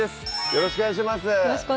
よろしくお願いします